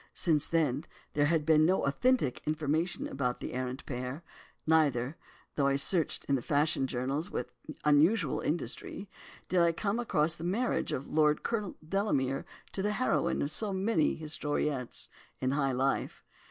Since then, there had been no authentic information about the arrant pair—neither, though I searched the fashion journals with unusual industry, did I come across the marriage of Colonel Delamere to the heroine of so many historiettes in high life.